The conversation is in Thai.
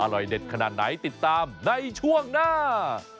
อร่อยเด็ดขนาดไหนติดตามในช่วงหน้า